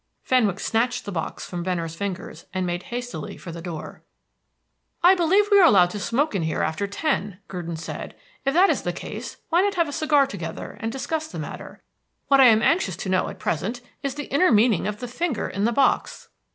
Fenwick snatched the box from Venner's fingers, and made hastily for the door. "I believe we are allowed to smoke in here after ten," Gurdon said. "If that is the case, why not have a cigar together, and discuss the matter? What I am anxious to know at present is the inner meaning of the finger in the box."